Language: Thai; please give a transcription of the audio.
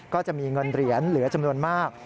ก็จะมีเงินเหรียญเหลือจำนวนมาก